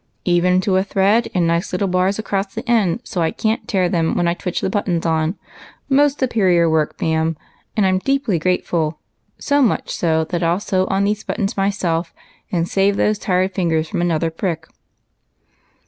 " Even to a thread, and nice little bars across the end so I can't tear them when I twitch the buttons out. Most superior work, ma'am, and I 'm deeply grateful ; so much so, that I '11 sew on these buttons myself, and save those tired fingers from another prick."